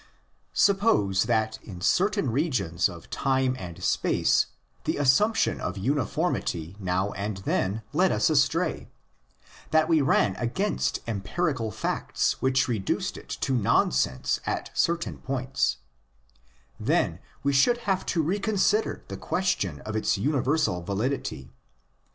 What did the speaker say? Suppose that in certain regions of time and space the assumption of uniformity now and then led us astray ; that we ran against empirical facts which reduced it to nonsense at certain points: then we should have to reconsider the question of its universal validity.